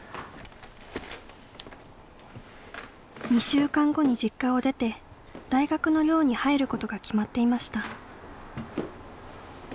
２週間後に実家を出て大学の寮に入ることが決まっていました。